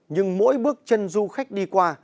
nhưng mỗi bước chân du khách đi qua